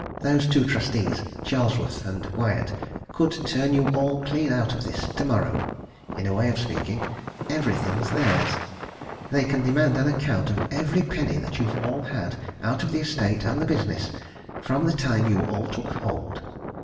Those two trustees Charlesworth & Wyatt could turn you all clean out of this tomorrow, in a way of speaking. Everything's theirs! They can demand an account of every penny that you've all had out of the estate and the business from the time you all took hold.